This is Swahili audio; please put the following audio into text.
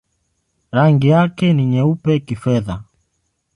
Rangi yake ni nyeupe-kifedha.